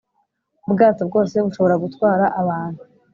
ubwato bwose bushobora gutwara abantu